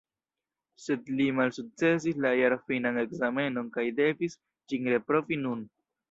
Sed li malsukcesis la jarfinan ekzamenon kaj devis ĝin reprovi nun.